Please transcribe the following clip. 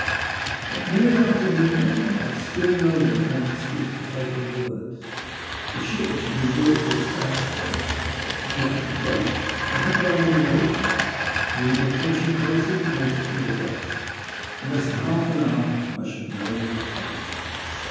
But minute after minute went by, and still no one came to speak the fatal words. The ship, which had been brought to a standstill to pick up the boat, had now got under weigh again, and we were approaching closer and closer to the docks. In less than half an hour I should know my fate.